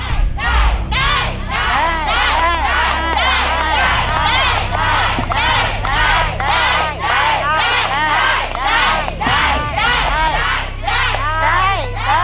ได้